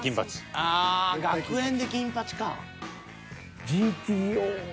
ああ「学園」で「金八」か。